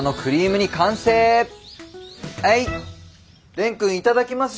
蓮くん「いただきます」